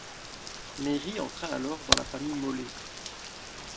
Méry entra alors dans la famille Molé.